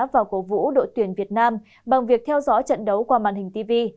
và cổ vũ đội tuyển việt nam bằng việc theo dõi trận đấu qua màn hình tv